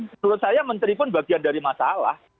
menurut saya menteri pun bagian dari masalah